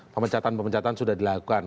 pemecatan pemecatan sudah dilakukan